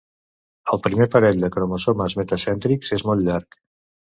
El primer parell de cromosomes metacèntrics és molt llarg.